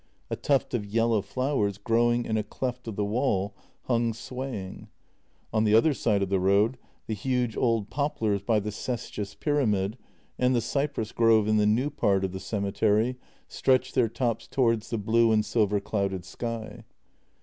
A tuft of yellow flowers, growing in a cleft of the wall, hung swaying. On the other side of the road the huge old poplars by the Cestius pyramid and the cypress grove in the new part of the cemetery stretched their tops to wards the blue and silver clouded sky.